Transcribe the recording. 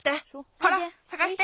ほらさがして。